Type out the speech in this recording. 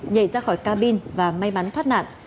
nhảy ra khỏi cabin và may mắn thoát nạn